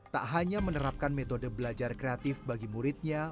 tak hanya menerapkan metode belajar kreatif bagi muridnya